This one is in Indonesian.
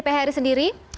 pak haryadi dari phri sendiri